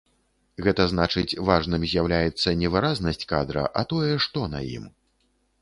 Гэта значыць важным з'яўляецца не выразнасць кадра, а тое, што на ім.